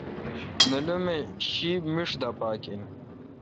نیلومہشی میݭ دا پاک این